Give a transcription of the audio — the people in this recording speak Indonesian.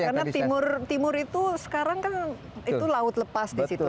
karena timur itu sekarang kan itu laut lepas di situ